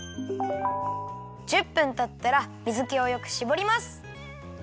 １０分たったら水けをよくしぼります。